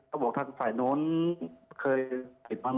เขาบอกว่าทางฝ่ายโน้นเคยผิดมาไหม